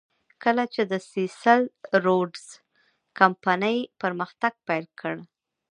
کله چې د سیسل روډز کمپنۍ پرمختګ پیل کړ.